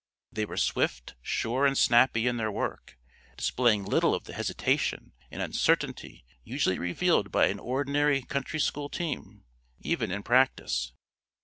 They were swift, sure and snappy in their work, displaying little of the hesitation and uncertainty usually revealed by an ordinary country school team, even in practice.